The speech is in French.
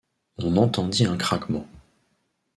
On entendit un craquement.